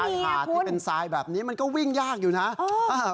หาดที่เป็นทรายแบบนี้มันก็วิ่งยากอยู่นะ